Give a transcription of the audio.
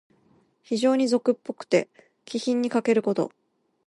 非情に俗っぽくて、気品にかけること。